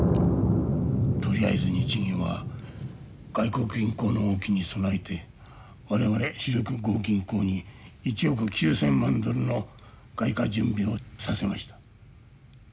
とりあえず日銀は外国銀行の動きに備えて我々主力五銀行に１億９，０００万ドルの外貨準備をさせました。